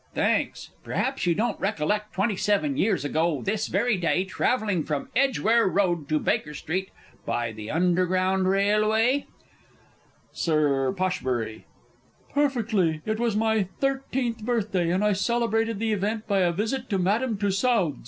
Thanks. Perhaps you don't recollect twenty seven years ago this very day, travelling from Edgware Road to Baker Street, by the Underground Railway? Sir P. Perfectly; it was my thirteenth birthday, and I celebrated the event by a visit to Madame Tussaud's. [Illustration: Spiker Introduced.